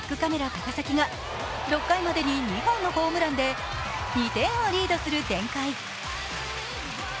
高崎が６回までに２本のホームランで２点をリードする展開。